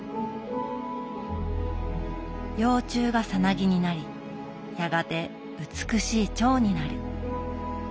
幼虫がサナギになりやがて美しいチョウになる。